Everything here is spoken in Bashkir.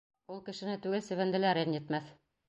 Ул кешене түгел, себенде лә рәнйетмәҫ.